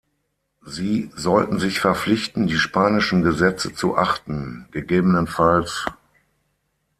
Sie sollten sich verpflichten, die spanischen Gesetze zu achten, ggf.